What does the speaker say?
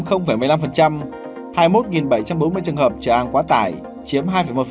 hai mươi một bảy trăm bốn mươi trường hợp trợ ăn quá tải chiếm hai một